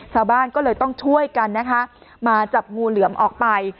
ชาวบ้านก็เลยต้องช่วยกันนะคะมาจับงูเหลือมออกไป